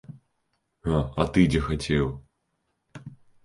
А ты дзе хацеў?